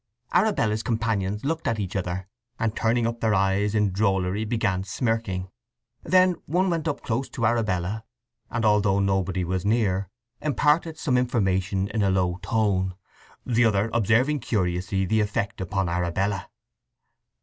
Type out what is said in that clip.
Arabella's companions looked at each other, and turning up their eyes in drollery began smirking. Then one went up close to Arabella, and, although nobody was near, imparted some information in a low tone, the other observing curiously the effect upon Arabella.